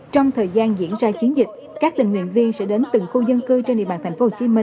trong thời gian diễn ra chiến dịch các tình nguyện viên sẽ đến từng khu dân cư trên địa bàn tp hcm